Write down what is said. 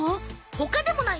他でもない